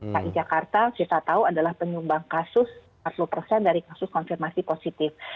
ki jakarta kita tahu adalah penyumbang kasus empat puluh persen dari kasus konfirmasi positif